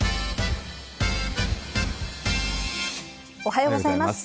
おはようございます。